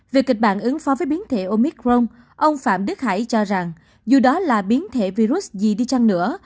về kịch bản ứng phó với biến thể omicron ông phạm đức hải cho rằng dù đó là biến thể virus gì đi chăng nữa